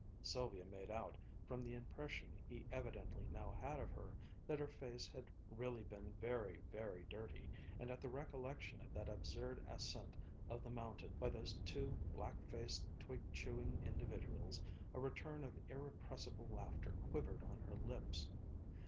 Sylvia made out, from the impression he evidently now had of her, that her face had really been very, very dirty; and at the recollection of that absurd ascent of the mountain by those two black faced, twig chewing individuals, a return of irrepressible laughter quivered on her lips.